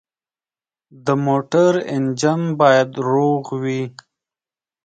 د موټر انجن باید روغ وي.